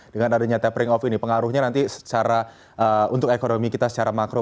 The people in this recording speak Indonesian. dengan adanya tapering off ini pengaruhnya nanti secara untuk ekonomi kita secara makro